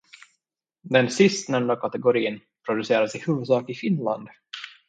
Den sistnämnda kategorin produceras i huvudsak i Finland.